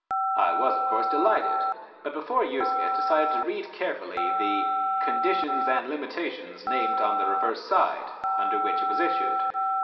I was of course delighted; but before using it decided to read carefully the "conditions and limitations named on the reverse side," under which it was issued.